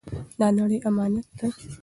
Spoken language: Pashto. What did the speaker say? دا نړۍ امانت ده.